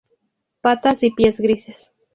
Patas y pies grises.